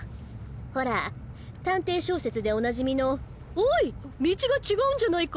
ほら探偵小説でおなじみの「おい道が違うんじゃないか？」